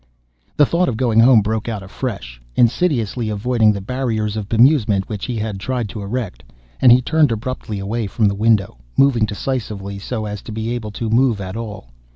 The thought of going home broke out afresh, insidiously avoiding the barriers of bemusement which he had tried to erect, and he turned abruptly away from the window, moving decisively so as to be able to move at all.